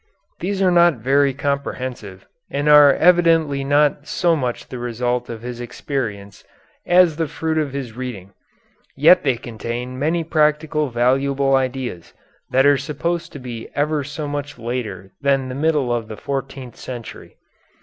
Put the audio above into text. These are not very comprehensive, and are evidently not so much the result of his experience, as the fruit of his reading, yet they contain many practical valuable ideas that are supposed to be ever so much later than the middle of the fourteenth century.